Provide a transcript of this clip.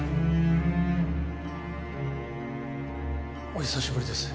お久しぶりです。